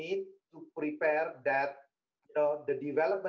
untuk pembangunan di masa depan